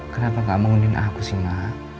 kenapa gak mengundiin aku sih mak